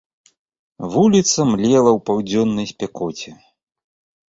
Вуліца млела ў паўдзённай спякоце.